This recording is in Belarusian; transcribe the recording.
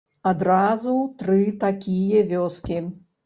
Адразу тры такія вёскі.